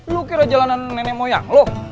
lu kira jalanan nenek moyang lu